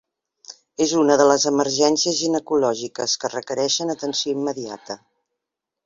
És una de les emergències ginecològiques que requereixen atenció immediata.